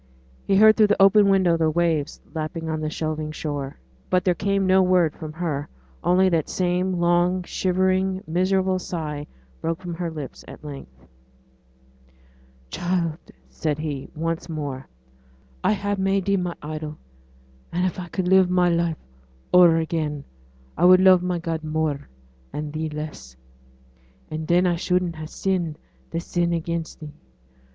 He heard through the open window the waves lapping on the shelving shore. But there came no word from her; only that same long shivering, miserable sigh broke from her lips at length. 'Child,' said he, once more. 'I ha' made thee my idol; and if I could live my life o'er again I would love my God more, and thee less; and then I shouldn't ha' sinned this sin against thee.